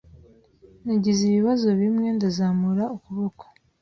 Nagize ibibazo bimwe ndazamura ukuboko.